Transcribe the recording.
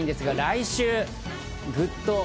来週グっと。